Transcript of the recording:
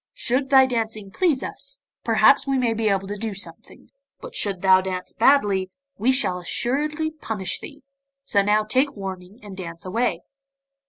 Should thy dancing please us, perhaps we may be able to do something; but shouldst thou dance badly, we shall assuredly punish thee, so now take warning and dance away.